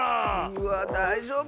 うわだいじょうぶ？